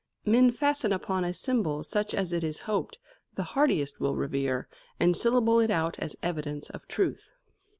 Men fasten upon a symbol such, as it is hoped, the hardiest will revere, and syllable it out as evidence of truth.